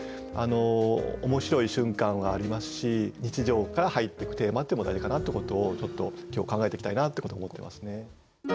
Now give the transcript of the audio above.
すごく日常から入ってくテーマっていうのも大事かなってことをちょっと今日考えていきたいなってことを思ってますね。